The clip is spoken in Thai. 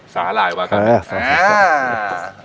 สาหร่ายวากะเมอ่า